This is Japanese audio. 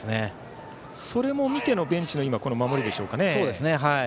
それを見てのベンチの守りでしょうか。